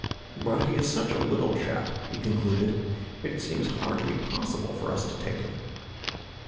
'But he is such a little chap,' he concluded, 'it seems hardly possible for us to take him.'